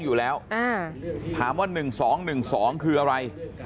อยู่แล้วถามว่า๑๒๑๒คืออะไร